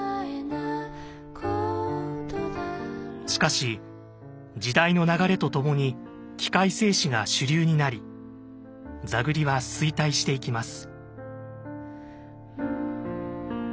しかし時代の流れとともに器械製糸が主流になり座繰りは衰退していきます。